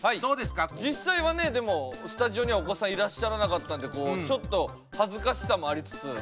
実際はねでもスタジオにはお子さんいらっしゃらなかったんでこうちょっと恥ずかしさもありつつ。